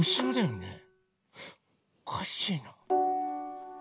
おかしいな。